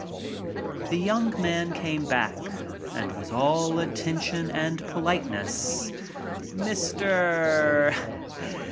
The young man came back and was all attention and politeness. "Mr.